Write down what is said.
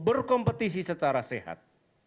berkompetisi secara sehat